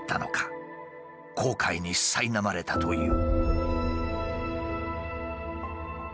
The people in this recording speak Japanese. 後悔にさいなまれたという。